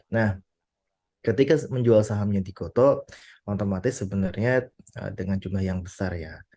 nah ketika menjual sahamnya di gotoh otomatis sebenarnya dengan jumlah yang besar ya